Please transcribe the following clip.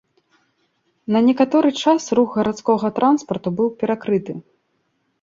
На некаторы час рух гарадскога транспарту быў перакрыты.